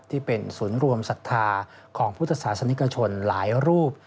ที่เป็นศูนย์รวมศรัทธาของพุทธศาสนิกชนหลายรูป